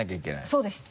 そうです。